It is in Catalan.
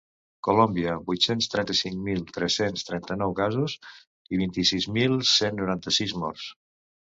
Colòmbia, amb vuit-cents trenta-cinc mil tres-cents trenta-nou casos i vint-i-sis mil cent noranta-sis morts.